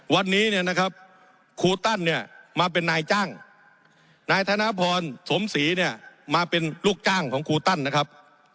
วันนี้เนี่ยนะครับครูตั้นเนี่ยมาเป็นนายจ้างนายธนพรสมศรีเนี่ยมาเป็นลูกจ้างของครูตั้นนะครับ